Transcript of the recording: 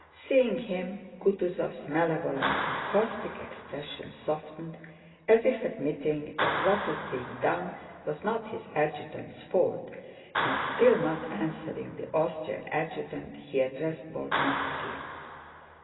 Seeing him, Kutúzov's malevolent and caustic expression softened, as if admitting that what was being done was not his adjutant's fault, and still not answering the Austrian adjutant, he addressed Bolkónski.